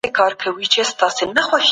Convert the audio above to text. مثبت چلند شخړې ژر حل کوي.